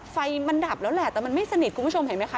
ไฟมันดับแล้วแหละแต่มันไม่สนิทคุณผู้ชมเห็นไหมคะ